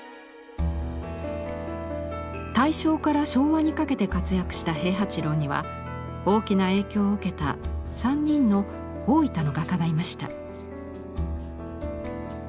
大正から昭和にかけて活躍した平八郎には大きな影響を受けた３人の大分の画家がいました。